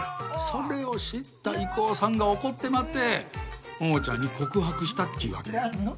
それを知った郁夫さんが怒ってまって桃ちゃんに告白したっちゅうわけよ。